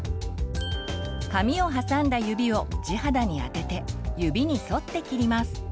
髪を挟んだ指を地肌にあてて指に沿って切ります。